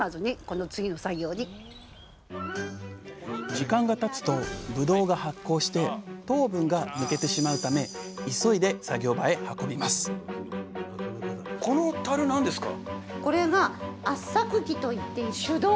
時間がたつとぶどうが発酵して糖分が抜けてしまうため急いで作業場へ運びます手動でやるんですか！